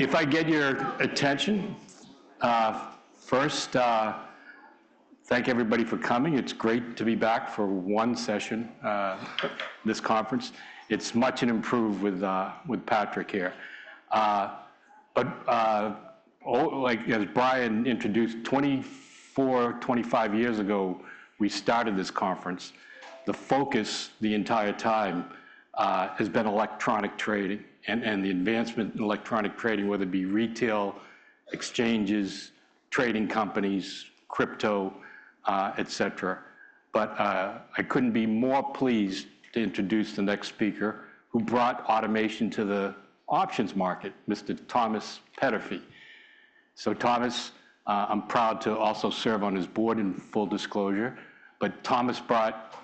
If I get your attention, first, thank everybody for coming. It's great to be back for one session this conference. It's much improved with Patrick here. Like as Brian introduced, 24, 25 years ago, we started this conference. The focus the entire time has been electronic trading and the advancement in electronic trading, whether it be retail, exchanges, trading companies, crypto, et cetera. I couldn't be more pleased to introduce the next speaker who brought automation to the options market, Mr. Thomas Peterffy. Thomas, I'm proud to also serve on his board in full disclosure. Thomas brought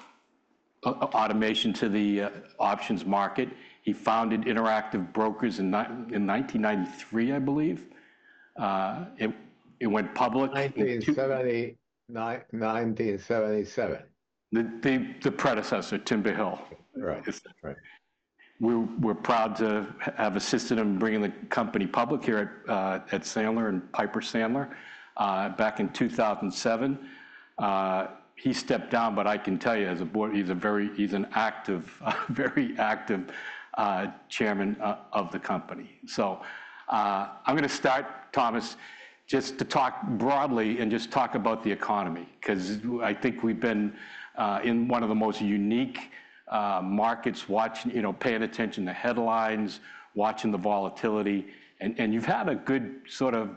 automation to the options market. He founded Interactive Brokers in 1993, I believe. It went public. 1970, 1977. The predecessor, Timber Hill. Right. We're proud to have assisted him in bringing the company public here at Piper Sandler back in 2007. He stepped down, but I can tell you as a board, he's an active, very active chairman of the company. I'm going to start, Thomas, just to talk broadly and just talk about the economy because I think we've been in one of the most unique markets, paying attention to headlines, watching the volatility. You've had a good sort of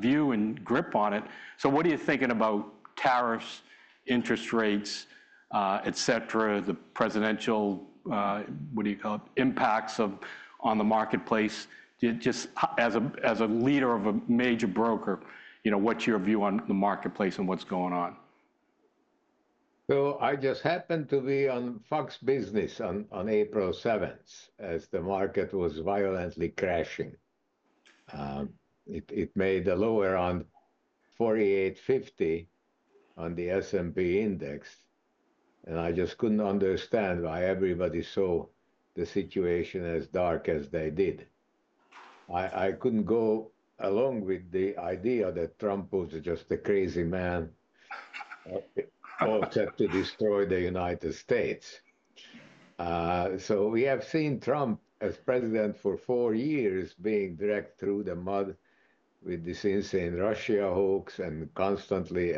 view and grip on it. What are you thinking about tariffs, interest rates, et cetera, the presidential, what do you call it, impacts on the marketplace? Just as a leader of a major broker, what's your view on the marketplace and what's going on? I just happened to be on Fox Business on April 7th as the market was violently crashing. It made a lower on 48.50 on the S&P index. I just couldn't understand why everybody saw the situation as dark as they did. I couldn't go along with the idea that Trump was just a crazy man all set to destroy the United States. We have seen Trump as president for four years being dragged through the mud with these insane Russia hooks and constantly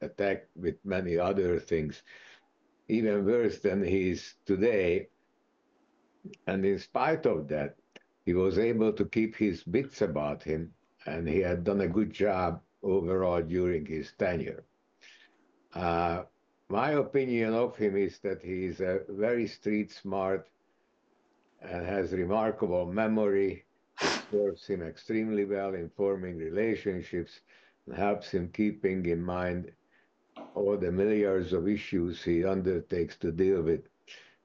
attacked with many other things, even worse than he is today. In spite of that, he was able to keep his bits about him, and he had done a good job overall during his tenure. My opinion of him is that he's very street smart and has remarkable memory. It serves him extremely well in forming relationships and helps him keep in mind all the myriads of issues he undertakes to deal with.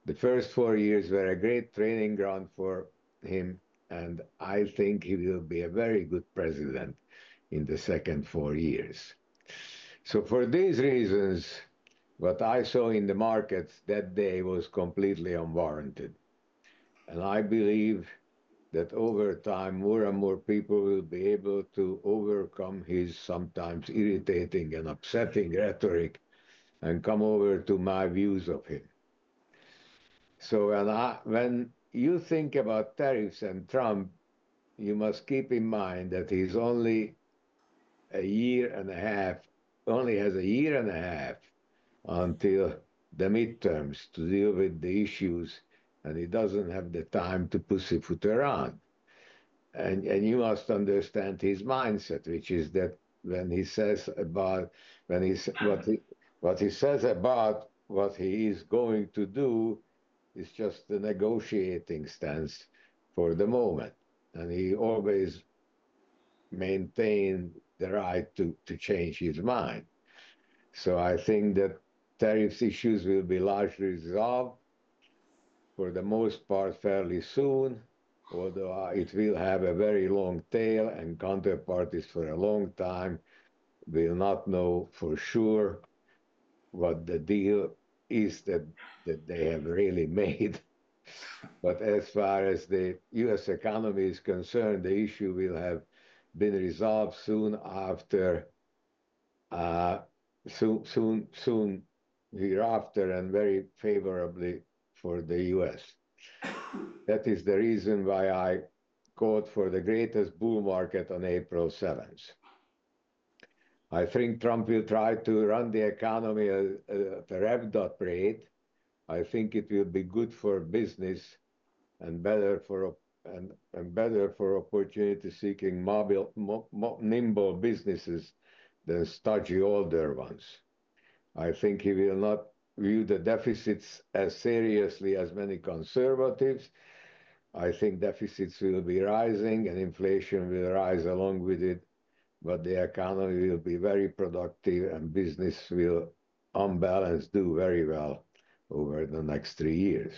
The first four years were a great training ground for him, and I think he will be a very good president in the second four years. For these reasons, what I saw in the markets that day was completely unwarranted. I believe that over time, more and more people will be able to overcome his sometimes irritating and upsetting rhetoric and come over to my views of him. When you think about tariffs and Trump, you must keep in mind that he only has a year and a half until the midterms to deal with the issues, and he does not have the time to pussyfoot around. You must understand his mindset, which is that when he says about what he is going to do is just a negotiating stance for the moment. He always maintains the right to change his mind. I think that tariff issues will be largely resolved for the most part fairly soon, although it will have a very long tail and counterparties for a long time will not know for sure what the deal is that they have really made. As far as the U.S. economy is concerned, the issue will have been resolved soon thereafter and very favorably for the U.S. That is the reason why I called for the greatest bull market on April 7th. I think Trump will try to run the economy at a rapid rate. I think it will be good for business and better for opportunity-seeking, nimble businesses than stodgy older ones. I think he will not view the deficits as seriously as many conservatives. I think deficits will be rising and inflation will rise along with it, but the economy will be very productive and business will, unbalance, do very well over the next three years.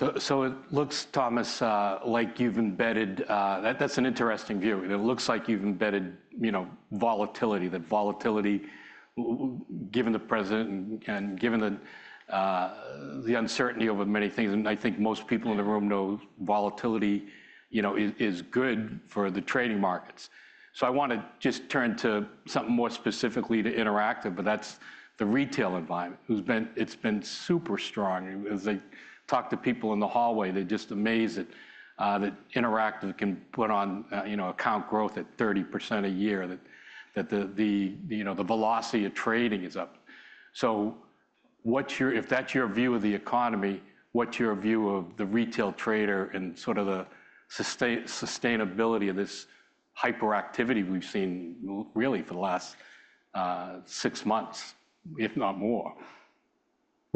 It looks, Thomas, like you've embedded—that's an interesting view. It looks like you've embedded volatility, that volatility given the president and given the uncertainty over many things. I think most people in the room know volatility is good for the trading markets. I want to just turn to something more specifically to Interactive, but that's the retail environment. It's been super strong. As I talked to people in the hallway, they're just amazed that Interactive can put on account growth at 30% a year, that the velocity of trading is up. If that's your view of the economy, what's your view of the retail trader and sort of the sustainability of this hyperactivity we've seen really for the last six months, if not more?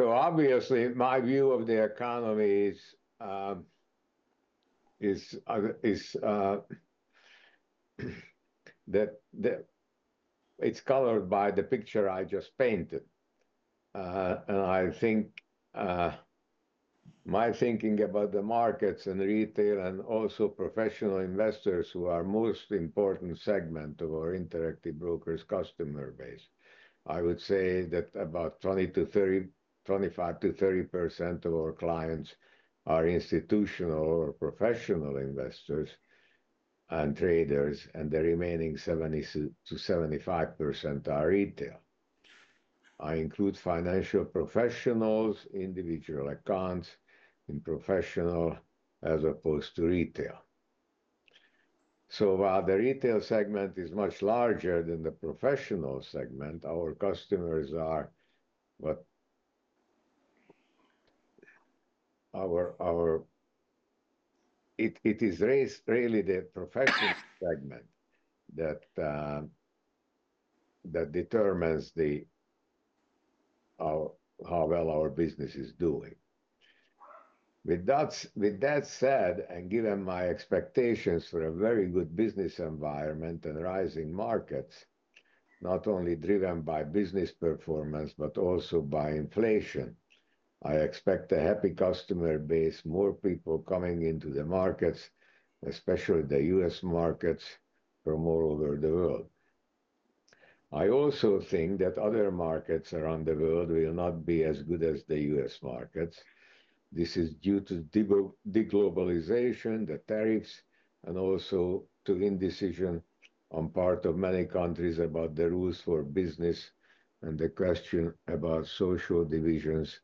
Obviously, my view of the economy is that it's colored by the picture I just painted. I think my thinking about the markets and retail and also professional investors who are the most important segment of our Interactive Brokers customer base, I would say that about 20-30%, 25-30% of our clients are institutional or professional investors and traders, and the remaining 70-75% are retail. I include financial professionals, individual accounts in professional as opposed to retail. While the retail segment is much larger than the professional segment, our customers are what it is really the professional segment that determines how well our business is doing. With that said, and given my expectations for a very good business environment and rising markets, not only driven by business performance, but also by inflation, I expect a happy customer base, more people coming into the markets, especially the U.S. markets from all over the world. I also think that other markets around the world will not be as good as the U.S. markets. This is due to deglobalization, the tariffs, and also to indecision on part of many countries about the rules for business and the question about social divisions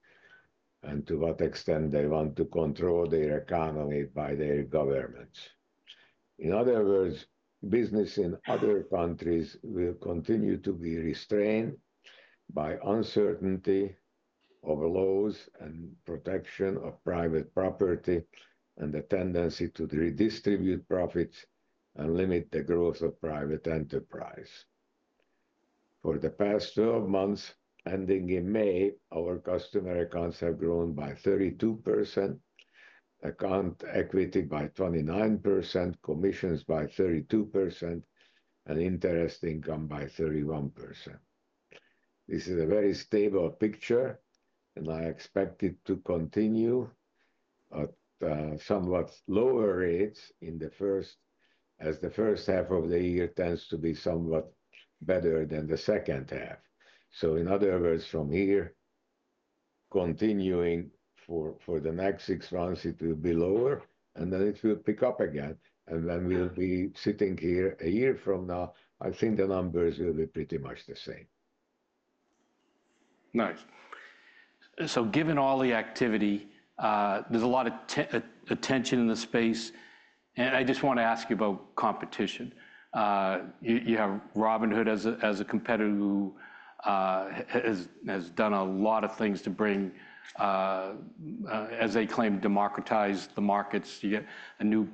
and to what extent they want to control their economy by their governments. In other words, business in other countries will continue to be restrained by uncertainty of laws and protection of private property and the tendency to redistribute profits and limit the growth of private enterprise. For the past 12 months, ending in May, our customer accounts have grown by 32%, account equity by 29%, commissions by 32%, and interest income by 31%. This is a very stable picture, and I expect it to continue at somewhat lower rates in the first, as the first half of the year tends to be somewhat better than the second half. In other words, from here, continuing for the next six months, it will be lower, and then it will pick up again. Then we'll be sitting here a year from now, I think the numbers will be pretty much the same. Nice. Given all the activity, there's a lot of attention in the space. I just want to ask you about competition. You have Robinhood as a competitor who has done a lot of things to bring, as they claim, democratize the markets. You get a new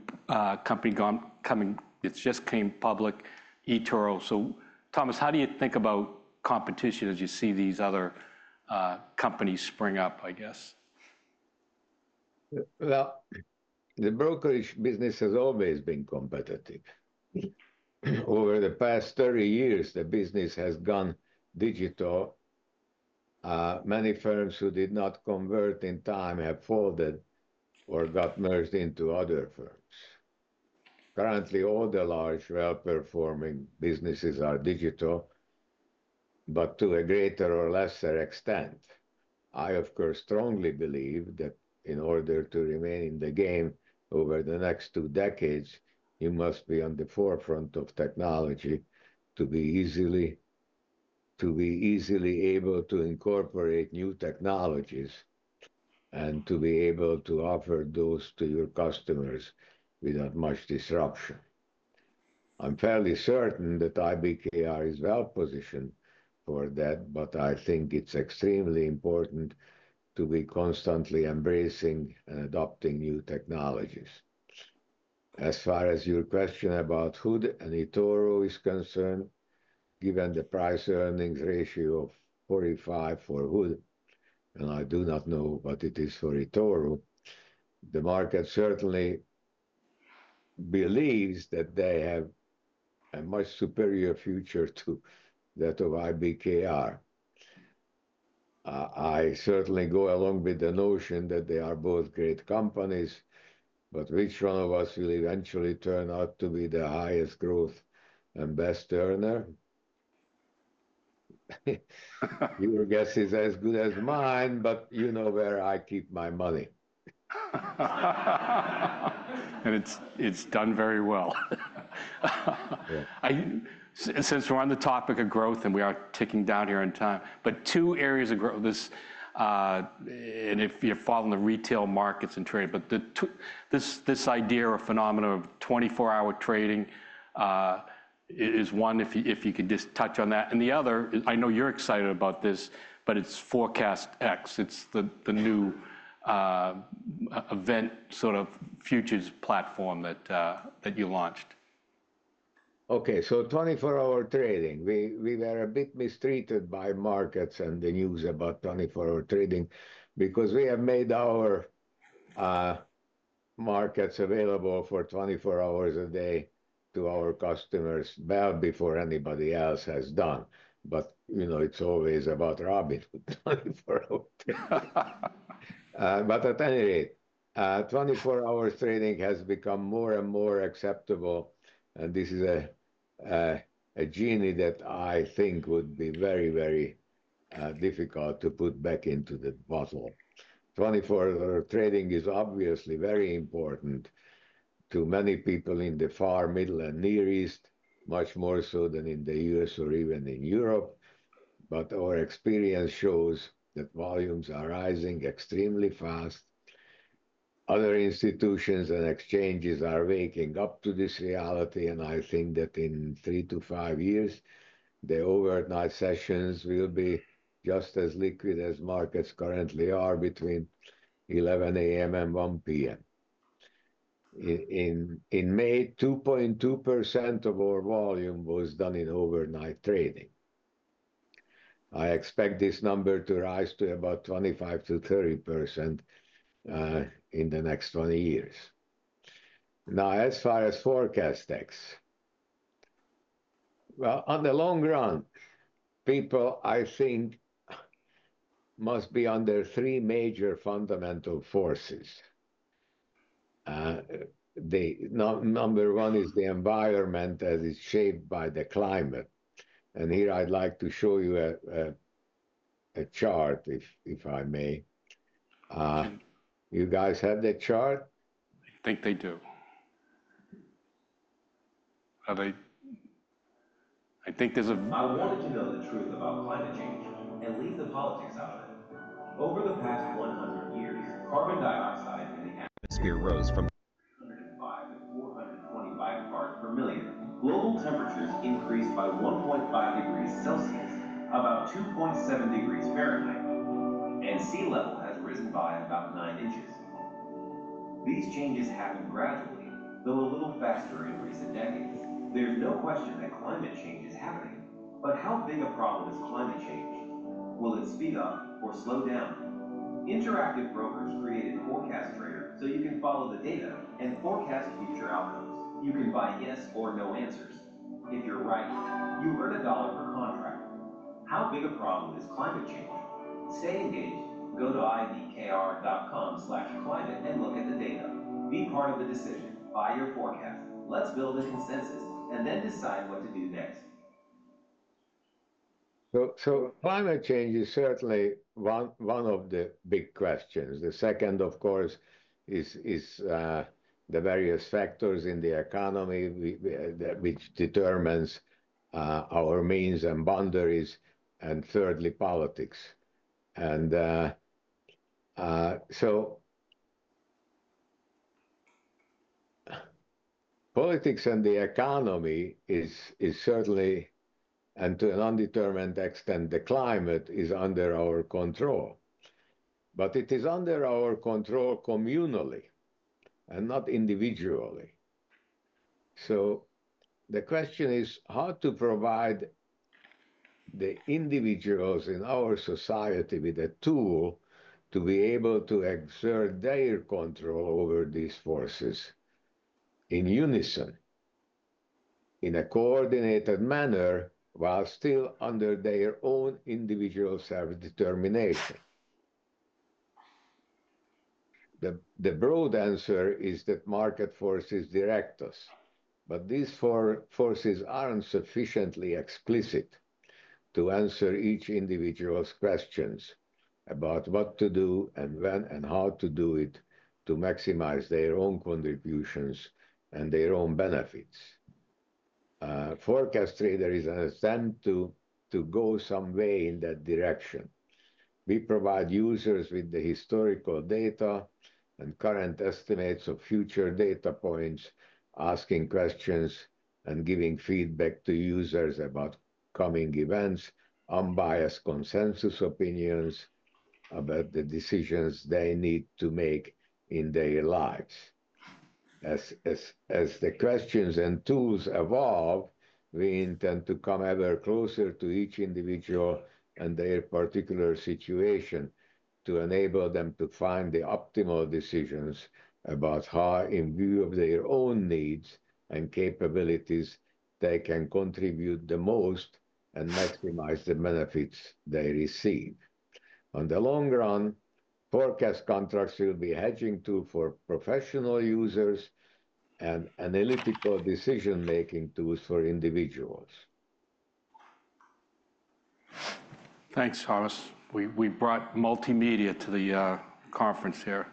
company coming. It just came public, eToro. Thomas, how do you think about competition as you see these other companies spring up, I guess? The brokerage business has always been competitive. Over the past 30 years, the business has gone digital. Many firms who did not convert in time have folded or got merged into other firms. Currently, all the large well-performing businesses are digital, but to a greater or lesser extent. I, of course, strongly believe that in order to remain in the game over the next two decades, you must be on the forefront of technology to be easily able to incorporate new technologies and to be able to offer those to your customers without much disruption. I'm fairly certain that IBKR is well positioned for that, but I think it's extremely important to be constantly embracing and adopting new technologies. As far as your question about HOOD and eToro is concerned, given the price-earnings ratio of 45 for HOOD, and I do not know what it is for eToro, the market certainly believes that they have a much superior future to that of IBKR. I certainly go along with the notion that they are both great companies, but which one of us will eventually turn out to be the highest growth and best earner? Your guess is as good as mine, but you know where I keep my money. It's done very well. Since we're on the topic of growth and we are ticking down here in time, but two areas of growth, and if you're following the retail markets and trade, but this idea or phenomenon of 24-hour trading is one if you could just touch on that. The other, I know you're excited about this, but it's ForecastEx. It's the new event sort of futures platform that you launched. Okay. 24-hour trading, we were a bit mistreated by markets and the news about 24-hour trading because we have made our markets available for 24 hours a day to our customers well before anybody else has done. It is always about Robinhood. At any rate, 24-hour trading has become more and more acceptable. This is a genie that I think would be very, very difficult to put back into the bottle. 24-hour trading is obviously very important to many people in the far Middle and Near East, much more so than in the U.S. or even in Europe. Our experience shows that volumes are rising extremely fast. Other institutions and exchanges are waking up to this reality. I think that in three to five years, the overnight sessions will be just as liquid as markets currently are between 11:00 A.M. and 1:00 P.M. In May, 2.2% of our volume was done in overnight trading. I expect this number to rise to about 25-30% in the next 20 years. Now, as far as ForecastEx, on the long run, people, I think, must be under three major fundamental forces. Number one is the environment as it's shaped by the climate. And here, I'd like to show you a chart, if I may. You guys have that chart? I think they do. Are they? I think there's a. I wanted to know the truth about climate change and leave the politics out of it. Over the past 100 years, carbon dioxide in the atmosphere rose from 305 to 425 parts per million. Global temperatures increased by 1.5 degrees Celsius, about 2.7 degrees Fahrenheit, and sea level has risen by about 9 in. These changes happen gradually, though a little faster in recent decades. There's no question that climate change is happening, but how big a problem is climate change? Will it speed up or slow down? Interactive Brokers created Forecast Trader so you can follow the data and forecast future outcomes. You can buy yes or no answers. If you're right, you earn a dollar per contract. How big a problem is climate change? Stay engaged. Go to ibkr.com/climate and look at the data. Be part of the decision. Buy your forecast. Let's build a consensus and then decide what to do next. Climate change is certainly one of the big questions. The second, of course, is the various factors in the economy which determines our means and boundaries. Thirdly, politics. Politics and the economy is certainly, and to an undetermined extent, the climate is under our control. It is under our control communally and not individually. The question is how to provide the individuals in our society with a tool to be able to exert their control over these forces in unison, in a coordinated manner while still under their own individual self-determination. The broad answer is that market forces direct us, but these forces are not sufficiently explicit to answer each individual's questions about what to do and when and how to do it to maximize their own contributions and their own benefits. ForecastTrader is an attempt to go some way in that direction. We provide users with the historical data and current estimates of future data points, asking questions and giving feedback to users about coming events, unbiased consensus opinions about the decisions they need to make in their lives. As the questions and tools evolve, we intend to come ever closer to each individual and their particular situation to enable them to find the optimal decisions about how, in view of their own needs and capabilities, they can contribute the most and maximize the benefits they receive. In the long run, forecast contracts will be a hedging tool for professional users and analytical decision-making tools for individuals. Thanks, Thomas. We brought multimedia to the conference here.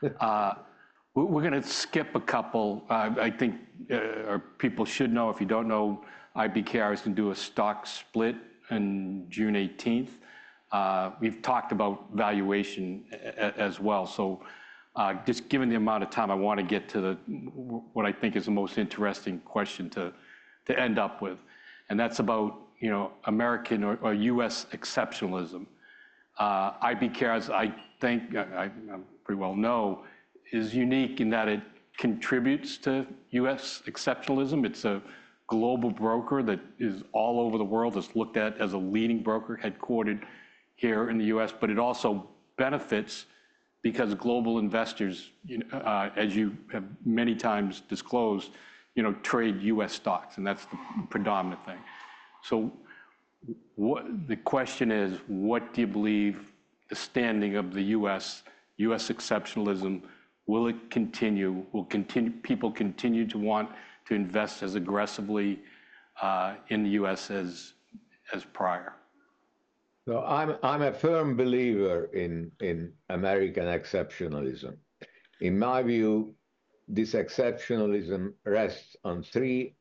We're going to skip a couple. I think people should know, if you don't know, IBKR is going to do a stock split on June 18th. We've talked about valuation as well. Just given the amount of time, I want to get to what I think is the most interesting question to end up with. That's about American or U.S. exceptionalism. IBKR, as I think I pretty well know, is unique in that it contributes to U.S. exceptionalism. It's a global broker that is all over the world, is looked at as a leading broker headquartered here in the U.S. It also benefits because global investors, as you have many times disclosed, trade U.S. stocks. That's the predominant thing. The question is, what do you believe the standing of the U.S., U.S. exceptionalism, will it continue? Will people continue to want to invest as aggressively in the U.S. as prior? I'm a firm believer in American exceptionalism. In my view, this exceptionalism rests on three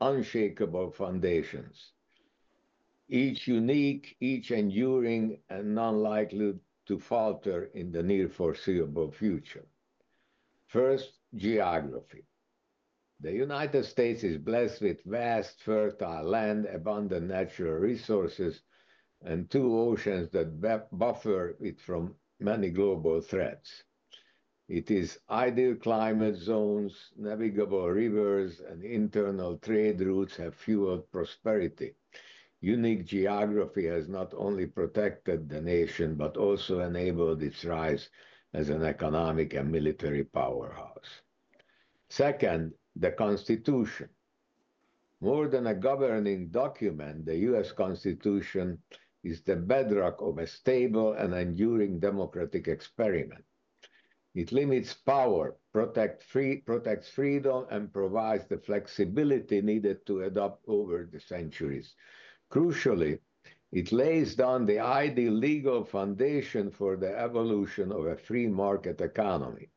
unshakable foundations, each unique, each enduring, and unlikely to falter in the near foreseeable future. First, geography. The United States is blessed with vast, fertile land, abundant natural resources, and two oceans that buffer it from many global threats. It has ideal climate zones, navigable rivers, and internal trade routes that have fueled prosperity. Unique geography has not only protected the nation, but also enabled its rise as an economic and military powerhouse. Second, the Constitution. More than a governing document, the U.S. Constitution is the bedrock of a stable and enduring democratic experiment. It limits power, protects freedom, and provides the flexibility needed to adapt over the centuries. Crucially, it lays down the ideal legal foundation for the evolution of a free market economy,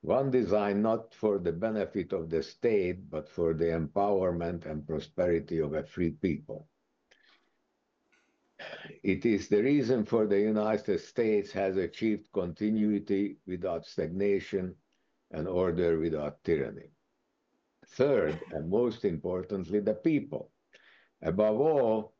one designed not for the benefit of the state, but for the empowerment and prosperity of a free people. It is the reason the United States has achieved continuity without stagnation and order without tyranny. Third, and most importantly, the people. Above all,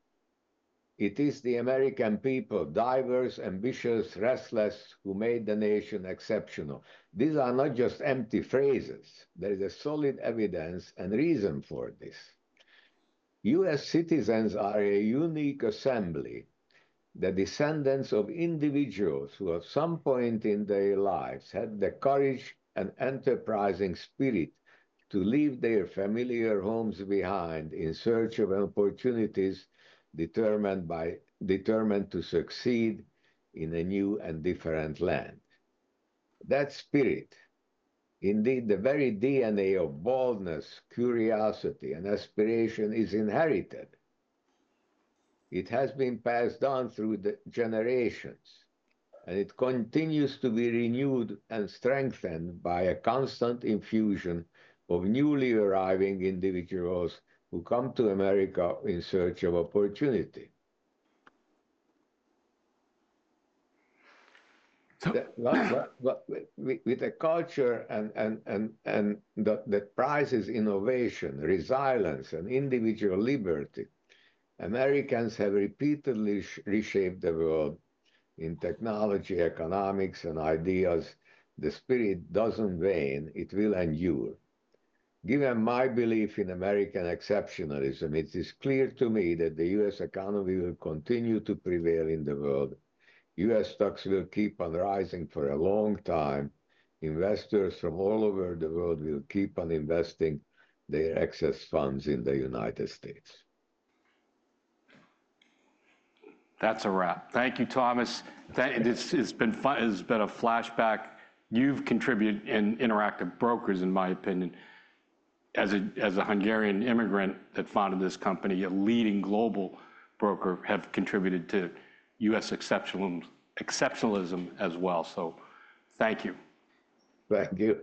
it is the American people, diverse, ambitious, restless, who made the nation exceptional. These are not just empty phrases. There is solid evidence and reason for this. U.S. citizens are a unique assembly, the descendants of individuals who at some point in their lives had the courage and enterprising spirit to leave their familiar homes behind in search of opportunities determined to succeed in a new and different land. That spirit, indeed, the very DNA of boldness, curiosity, and aspiration is inherited. It has been passed on through the generations, and it continues to be renewed and strengthened by a constant infusion of newly arriving individuals who come to America in search of opportunity. With a culture that prizes innovation, resilience, and individual liberty, Americans have repeatedly reshaped the world in technology, economics, and ideas. The spirit does not wane. It will endure. Given my belief in American exceptionalism, it is clear to me that the U.S. economy will continue to prevail in the world. U.S. stocks will keep on rising for a long time. Investors from all over the world will keep on investing their excess funds in the United States. That's a wrap. Thank you, Thomas. It's been a flashback. You've contributed in Interactive Brokers, in my opinion. As a Hungarian immigrant that founded this company, a leading global broker, have contributed to U.S. exceptionalism as well. So thank you. Thank you.